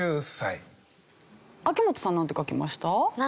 秋元さんなんて書きました？